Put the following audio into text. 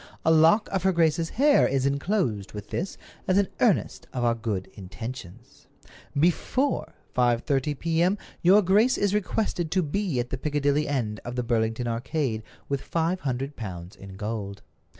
A lock of her grace's hair is inclosed with this as an earnest of our good intentions. "Before 5:30 p.m. your grace is requested to be at the Piccadilly end of the Burlington Arcade with five hundred pounds in gold.